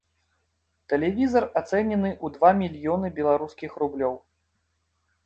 Тэлевізар ацэнены ў два мільёны беларускіх рублёў.